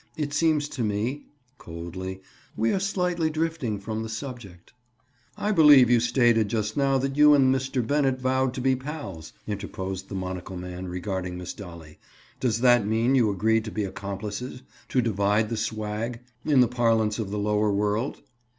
It seems to me," coldly, "we are slightly drifting from the subject." "I believe you stated just now that you and Mr. Bennett vowed to be pals," interposed the monocle man regarding Miss Dolly. "Does that mean you agreed to be accomplices—to divide the 'swag,' in the parlance of the lower world?"